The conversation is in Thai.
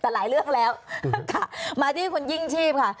แต่หลายเรื่องแล้วค่ะมาที่คุณยิ่งชีพค่ะ